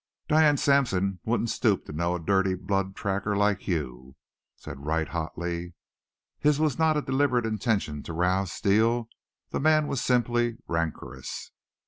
"Diane Sampson wouldn't stoop to know a dirty blood tracker like you," said Wright hotly. His was not a deliberate intention to rouse Steele; the man was simply rancorous.